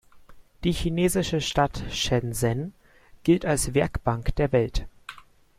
Die chinesische Stadt Shenzhen gilt als „Werkbank der Welt“.